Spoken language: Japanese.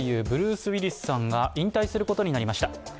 ブルース・ウィリスさんが引退することになりました。